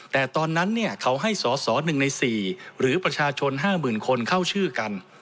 แต่ตอนนั้นเขาให้สส๑ใน๔หรือประชาชน๕๐๐๐คนเข้าชื่อกัน